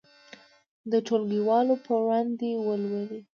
د ټولګیوالو په وړاندې دې ولولي.